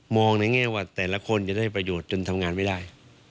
ในแง่ว่าแต่ละคนจะได้ประโยชน์จนทำงานไม่ได้